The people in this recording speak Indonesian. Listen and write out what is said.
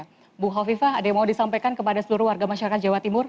baik mbak aifa ada yang mau disampaikan kepada seluruh warga masyarakat jawa timur